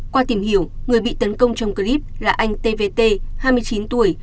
qua tìm hiểu người bị tấn công trong clip là anh tvt hai mươi chín tuổi